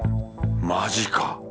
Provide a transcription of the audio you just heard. マジか。